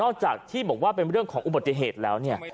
จากที่บอกว่าเป็นเรื่องของอุบัติเหตุแล้วเนี่ย